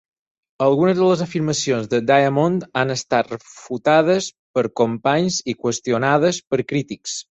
Algunes de les afirmacions de Diamond han estat refutades per companys i qüestionades per crítics.